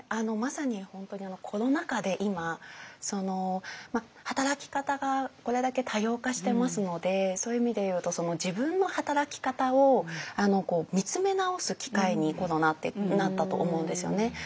まさに本当にコロナ禍で今働き方がこれだけ多様化してますのでそういう意味でいうと自分の働き方を見つめ直す機会にコロナってなったと思うんですよね。